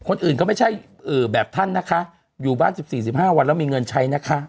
คนอื่นก็ไม่ใช่แบบท่านนะคะอยู่บ้าน๑๔๑๕วันแล้วมีเงินใช้นะคะ